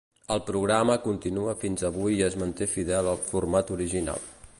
El programa continua fins avui i es manté fidel al format original.